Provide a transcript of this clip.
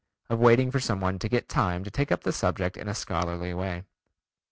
of waiting for some one to get time to take up the subject in a scholarly way.